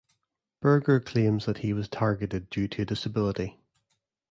Berger claims that he was targeted due to a disability.